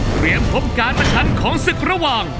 พบการประชันของศึกระหว่าง